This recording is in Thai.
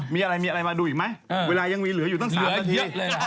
มีอะไรมีอะไรมาดูอีกไหมเวลายังมีเหลืออยู่ตั้ง๓นาที